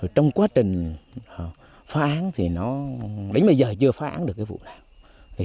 trong quá trình phá án thì nó đến bây giờ chưa phá án được cái vụ nào